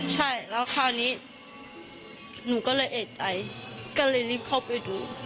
ใช่แล้วคราวนี้หนูก็เลยเอกใจก็เลยรีบเข้าไปดู